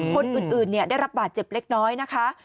คนอื่นได้รับบาดเจ็บเล็กน้อยนะคะ